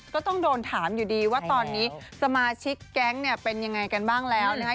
ก็ต้องโดนถามอยู่ดีว่าตอนนี้สมาชิกแก๊งเนี่ยเป็นยังไงกันบ้างแล้วนะคะ